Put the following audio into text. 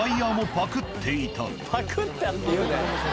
「パクった」って言うなよ。